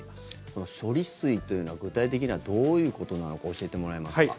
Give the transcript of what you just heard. その処理水というのは具体的にはどういうことなのか教えてもらえますか。